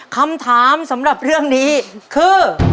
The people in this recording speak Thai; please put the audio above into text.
คำถามสำหรับเรื่องนี้คือ